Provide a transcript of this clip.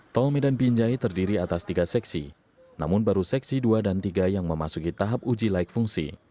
tol medan binjai terdiri atas tiga seksi namun baru seksi dua dan tiga yang memasuki tahap uji laik fungsi